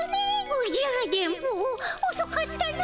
おじゃ電ボおそかったの。